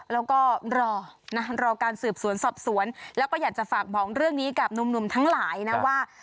แล้วก็รอนะรอการสืบสวนสอบสวนแล้วก็อยากจะฝากบอกเรื่องนี้กับหนุ่มทั้งหลายนะว่า